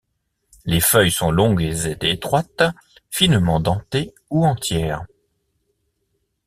Les feuilles sont longues et étroites, finement dentées ou entières.